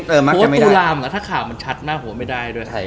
เพราะตุลามถ้าข่าวมันชัดมาโหไม่ได้ด้วย